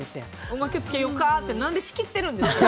おまけつけようかって何で仕切っているんですか？